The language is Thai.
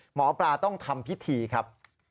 หมอปลาต้องทำพิธีครับ